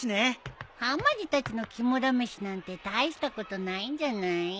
はまじたちの肝試しなんて大したことないんじゃない？